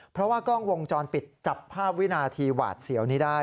เพราะว่ากล้องวงจรปิดจับภาพวินาทีหวาดเสียวนี้ได้